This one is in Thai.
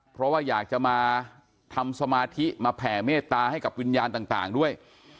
เพราะว่าอยากจะมาทำสมาธิมาแผ่เมตตาให้กับวิญญาณต่างด้วย